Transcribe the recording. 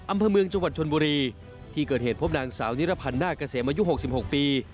อำเภอเมืองจังหวัดชนบุรีที่เกิดเหตุพบนางสาวนิรพันธ์นาคเกษมอายุ๖๖ปี